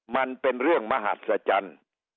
มันเป็นเรื่องมหัศจรรย์